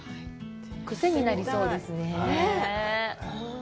くせになりそうですね。